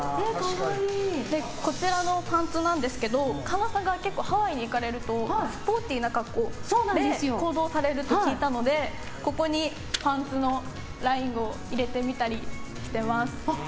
こちらのパンツなんですけど神田さんが結構ハワイに行かれるとスポーティーな格好で行動されると聞いたのでここにパンツのラインを入れてみたりしてます。